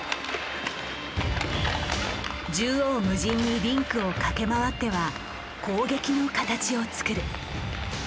縦横無尽にリンクを駆け回っては攻撃の形を作る。